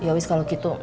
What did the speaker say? ya wis kalau gitu